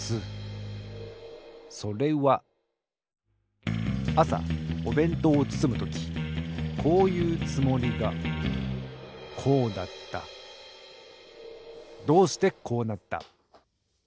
それはあさおべんとうをつつむときこういうつもりがこうだったどうしてこうなった？